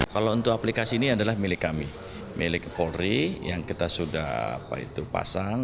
kalau untuk aplikasi ini adalah milik kami milik polri yang kita sudah pasang